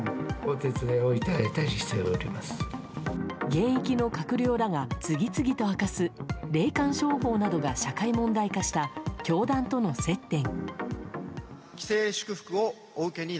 現役の閣僚らが次々と明かす霊感商法などが社会問題化した教団との接点。